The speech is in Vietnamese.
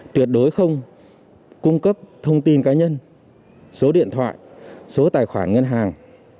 tuyệt đối không cung cấp thông tin cá nhân số điện thoại số tài khoản ngân hàng